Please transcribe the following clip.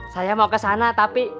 saya mau kesana tapi